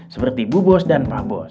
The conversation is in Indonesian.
seperti bu bos dan pak bos